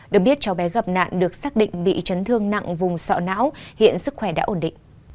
được biết cháu bé gặp nạn được xác định bị chấn thương nặng vùng sọ não hiện sức khỏe đã ổn định